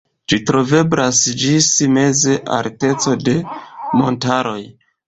Ĝi troveblas ĝis meza alteco de montaroj.